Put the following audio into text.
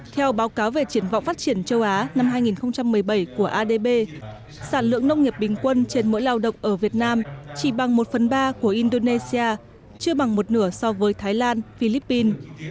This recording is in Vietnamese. theo báo cáo về triển vọng phát triển châu á năm hai nghìn một mươi bảy của adb sản lượng nông nghiệp bình quân trên mỗi lao động ở việt nam chỉ bằng một phần ba của indonesia chưa bằng một nửa so với thái lan philippines